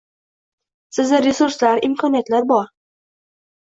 Sizda resurslar, imkoniyatlar bor